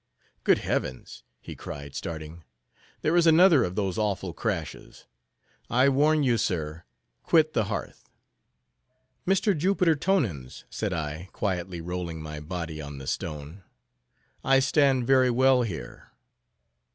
Good heavens!" he cried, starting—"there is another of those awful crashes. I warn you, sir, quit the hearth." "Mr. Jupiter Tonans," said I, quietly rolling my body on the stone, "I stand very well here."